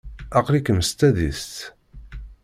Aql-ikem s tadist?